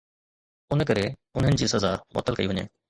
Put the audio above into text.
ان ڪري انهن جي سزا معطل ڪئي وڃي.